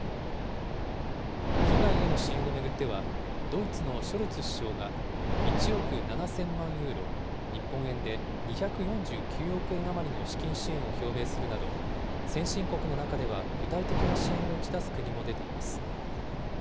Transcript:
被害への支援を巡っては、ドイツのショルツ首相が１億７０００万ユーロ、日本円で２４９億円余りの資金支援を表明するなど、先進国の中では具体的な支援を打ち出す国も出ています。